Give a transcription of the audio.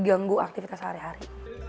ganggu aktivitas sehari hari